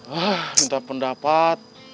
ah minta pendapat